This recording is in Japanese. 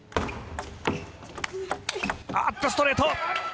あっと、ストレート。